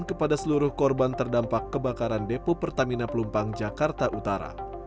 kepada seluruh korban terdampak kebakaran depo pertamina pelumpang jakarta utara